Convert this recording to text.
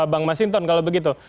bang masinton kalau begitu